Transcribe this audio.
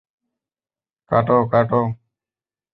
কাটো, কাটো।